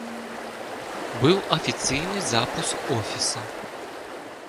Быў афіцыйны запуск офіса.